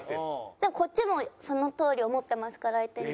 でもこっちもそのとおり思ってますから相手に。